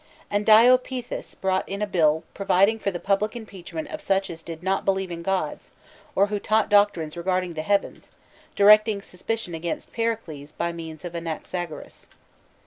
And Diopeithes brought in a bill providing for the public impeachment of such as did not believe in gods, or who taught doctrines regard ing the heavens, directing suspicion against Pericles by means of Anaxagoras.